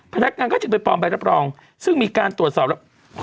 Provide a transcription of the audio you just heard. พนักงานก็จึงไปปลอมใบรับรองซึ่งมีการตรวจสอบแล้ว